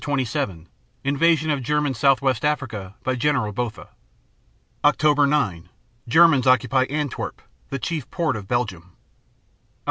27 Invasion of German Southwest Africa by Gen. Botha. Oct. 9 Germans occupy Antwerp, the chief port of Belgium. Oct.